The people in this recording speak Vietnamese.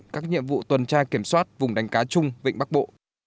các nhiệm vụ tuần tra kiểm soát vùng đánh cá chung vịnh bắc bộ